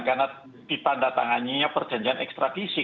karena di tanda tangannya perjanjian ekstradisi